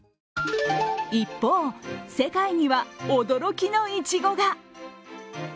一方、世界には驚きのいちごが。